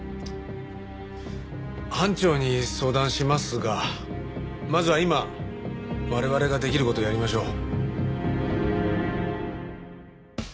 班長に相談しますがまずは今我々ができる事をやりましょう。